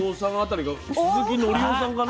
鈴木紀生さんかな？